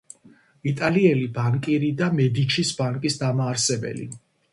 იტალიელი ბანკირი და მედიჩის ბანკის დამაარსებელი.